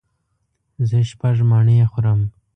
زه شپږ مڼې خورم.